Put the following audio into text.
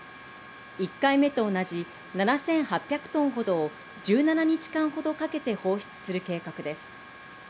１回目と同じ、７８００トンほどを１７日間ほどかけて放出する計画です。